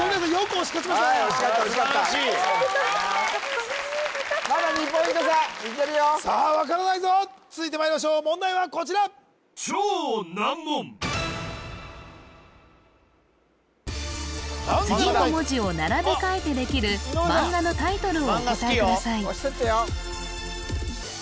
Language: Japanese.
押し勝った押し勝った素晴らしいよかった勝てたまだ２ポイント差いけるよさあ分からないぞ続いてまいりましょう問題はこちら次の文字を並べ替えてできる漫画のタイトルをお答えください